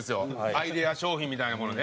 アイデア商品みたいなものね。